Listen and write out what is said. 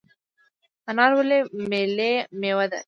انار ولې ملي میوه ده؟